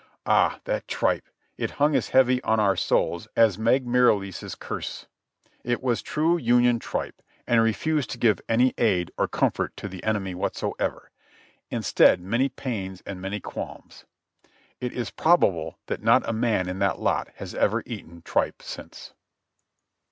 Ah, that tripe! it hung as heavy on our souls as Meg Merrilies's curse. It was true Union tripe, and refused to give any aid or comfort to the 214 JOHNNY REB AND BILI.Y YANK enemy whatsoever; instead, many pains and many qualms. It is probable that not a man in that lot has ever eaten tripe since.